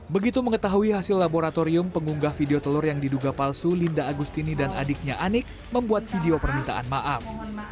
begitu mengetahui hasil laboratorium pengunggah video telur yang diduga palsu linda agustini dan adiknya anik membuat video permintaan maaf